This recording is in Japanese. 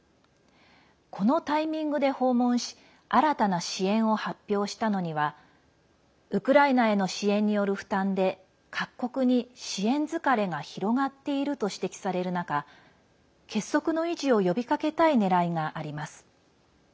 このタイミングで訪問し新たな支援を発表したのにはウクライナへの支援による負担で各国に支援疲れが広がっていると指摘される中結束の維持を呼びかけたいねらいがあります。